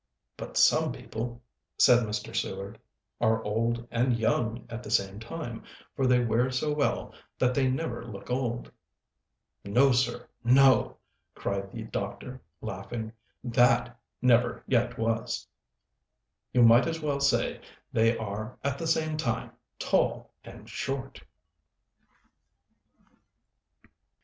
"But some people," said Mr. Seward, "are old and young at the same time, for they wear so well that they never look old." "No, sir, no," cried the doctor, laughing; "that never yet was: you might as well say they are at the same time tall and short."